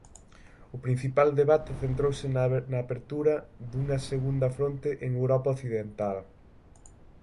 O principal debate centrouse na apertura dunha segunda fronte en Europa occidental.